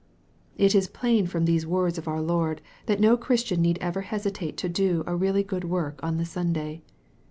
It is plain from these words of our Lord, that DO Christian need ever hesitate to do a really good work on the Sunday.